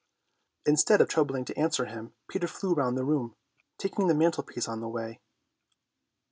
Instead of troubling to answer him Peter flew around the room, taking the mantelpiece on the way.